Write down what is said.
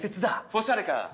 オシャレか？